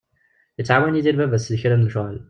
Ittɛawan Yidir baba-s di kra n lecɣal.